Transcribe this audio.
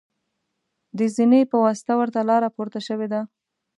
د زینې په واسطه ورته لاره پورته شوې ده.